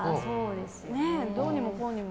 どうにもこうにも。